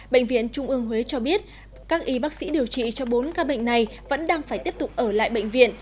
bệnh viện trung ương huế cho biết các y bác sĩ điều trị cho bốn ca bệnh này vẫn đang phải tiếp tục ở lại bệnh viện